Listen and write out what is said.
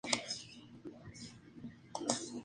En "cursiva" son nombres populares oficiales.